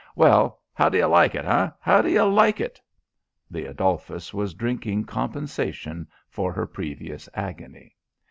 "Well, how do you like it, eh? How do you like it?" The Adolphus was drinking compensation for her previous agony.